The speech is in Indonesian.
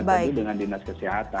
tentu dengan dinas kesehatan